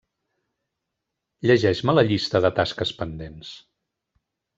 Llegeix-me la llista de tasques pendents.